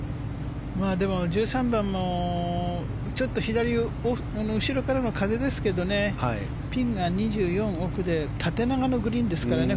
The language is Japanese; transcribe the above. でも、１３番も後ろからの風ですけどねピンが２４奥で縦長のグリーンですからね。